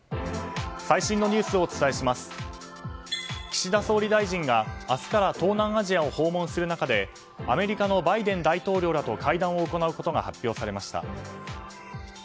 岸田総理大臣が、明日から東南アジアを訪問する中でアメリカのバイデン大統領らと会談を行うことが発表されました。